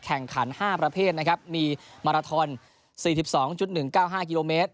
แข่งขัน๕ประเภทนะครับมีมาราทอน๔๒๑๙๕กิโลเมตร